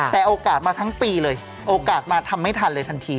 แต่โอกาสมาทั้งปีเลยโอกาสมาทำไม่ทันเลยทันที